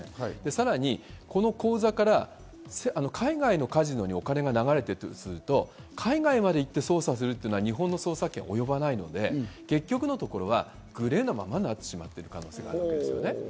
さらにこの口座から海外のカジノにお金が流れたとすると、海外まで行って捜査するというのは、日本の捜査権は及ばないので、結局グレーのままになってしまう可能性があります。